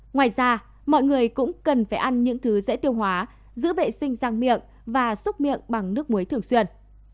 ngoài ra mọi người cũng cần phải ăn những thứ dễ tiêu hóa giữ vệ sinh răng miệng và xúc miệng bằng nước muối thường xuyên